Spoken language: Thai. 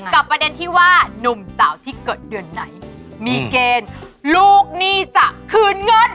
ประเด็นที่ว่านุ่มสาวที่เกิดเดือนไหนมีเกณฑ์ลูกหนี้จะคืนเงิน